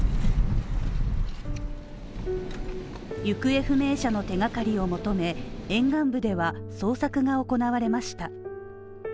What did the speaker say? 行方不明者の手がかりを求め沿岸部では捜索が行われました。